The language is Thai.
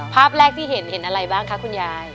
ภาพแรกที่เห็นเห็นอะไรบ้างคะคุณยาย